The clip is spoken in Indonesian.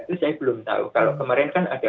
itu saya belum tahu kalau kemarin kan ada